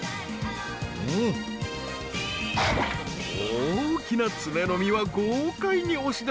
［大きな爪の身は豪快に押し出し